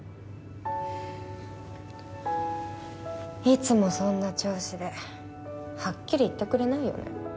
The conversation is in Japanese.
いつもそんな調子ではっきり言ってくれないよね。